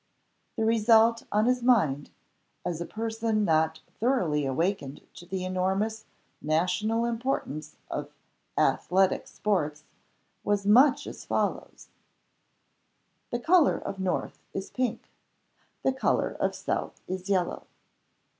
The result on his mind, as a person not thoroughly awakened to the enormous national importance of Athletic Sports, was much as follows: The color of North is pink. The color of South is yellow.